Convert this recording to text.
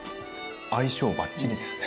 相性ばっちりですね。